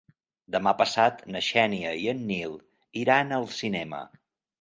Demà passat na Xènia i en Nil iran al cinema.